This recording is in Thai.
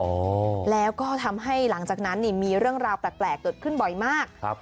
อ๋ออแล้วก็ทำให้หลังจากนั้นมีเรื่องราวแปลกเกิดขึ้นบ่อยมาก